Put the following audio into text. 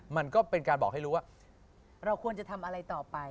มันก็เป็นการบอกให้รู้ว่าเราควรจะทำอะไรต่อไป